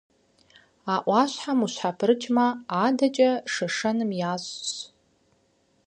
А ӏуащхьэм ущхьэпрыкӏмэ, адэкӏэ Шэшэным ящӏщ.